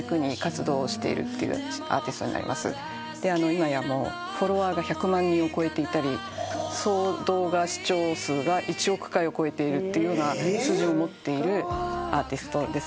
今やフォロワーが１００万人を超えていたり総動画視聴数が１億回を超えているというような数字を持っているアーティストです。